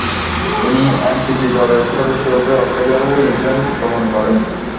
তিনি এমসিসি দলের সদস্যরূপে অস্ট্রেলিয়া ও নিউজিল্যান্ড গমন করেন।